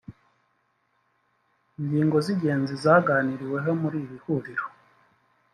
Ingingo zingenzi zaganiriweho muri iri huriro